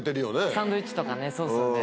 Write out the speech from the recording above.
サンドイッチとかそうですよね。